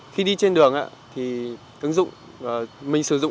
khi đi trên đường thì ứng dụng